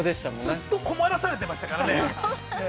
◆ずっと困らされていましたからね。